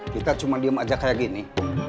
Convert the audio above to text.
kita cuma diem aja kayak gini